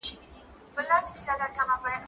زه اجازه لرم چي امادګي ونيسم؟